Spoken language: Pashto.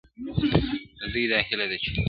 د دوى دا هيله ده چي,